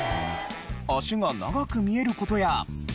足が長く見える事や。